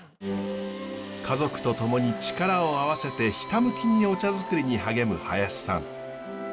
家族と共に力を合わせてひたむきにお茶づくりに励む林さん。